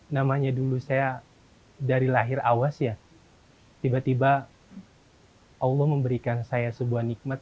namanya dulu saya dari lahir awas ya tiba tiba allah memberikan saya sebuah nikmat